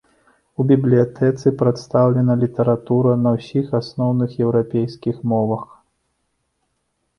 У бібліятэцы прадстаўлена літаратура на ўсіх асноўных еўрапейскіх мовах.